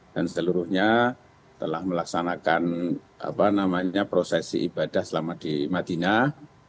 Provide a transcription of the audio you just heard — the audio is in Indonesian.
dan seluruhnya telah melaksanakan prosesi ibadah selama di madinah